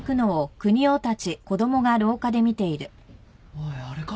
おいあれか？